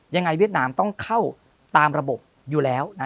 เวียดนามต้องเข้าตามระบบอยู่แล้ว